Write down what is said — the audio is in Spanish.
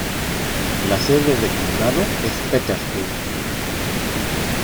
La sede de condado es Petersburg.